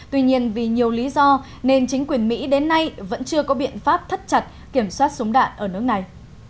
tuy nhiên vì nhiều lý do nên chính quyền mỹ đến nay vẫn chưa có biện pháp thắt chặt kiểm soát súng đạn ở nước này